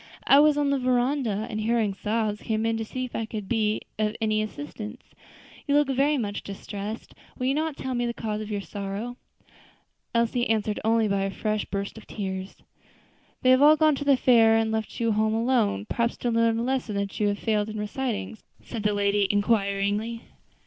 "I was on the veranda, and hearing sobs, came in to see if I could be of any assistance. You look very much distressed; will you not tell me the cause of your sorrow?" Elsie answered only by a fresh burst of tears. "They have all gone to the fair and left you at home alone; perhaps to learn a lesson you have failed in reciting?" said the lady, inquiringly.